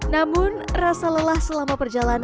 namun rasa lelah selama perjalanan